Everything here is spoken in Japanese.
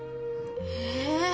え。